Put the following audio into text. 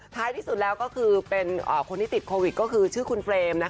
ที่สุดแล้วก็คือเป็นคนที่ติดโควิดก็คือชื่อคุณเฟรม